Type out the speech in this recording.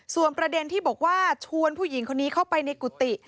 ส่วนประเด็นที่บอกว่าชวนผู้หญิงคนนี้เข้าไปในกุฏิ